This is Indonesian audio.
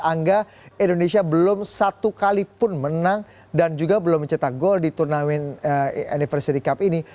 angga indonesia belum satu kalipun menang dan juga belum mencetak gol di turnamen anniversary cup ini